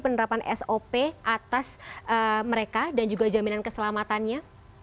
penerapan sop atas mereka dan juga jaminan keselamatannya